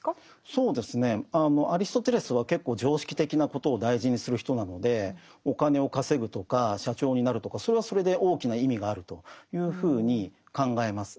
そうですねアリストテレスは結構常識的なことを大事にする人なのでお金を稼ぐとか社長になるとかそれはそれで大きな意味があるというふうに考えます。